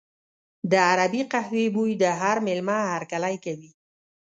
د عربي قهوې بوی د هر مېلمه هرکلی کوي.